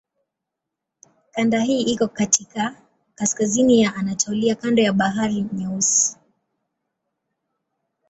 Kanda hii iko katika kaskazini ya Anatolia kando la Bahari Nyeusi.